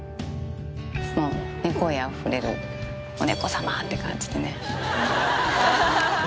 猫愛あふれる「お猫様」って感じでね。